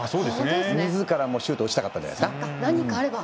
みずからもシュートを打ちたかったんじゃないですか。